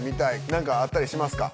何かあったりしますか？